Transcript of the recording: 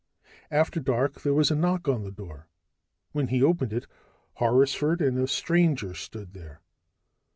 After dark, there was a knock on the door. When he opened it, Horrisford and a stranger stood there.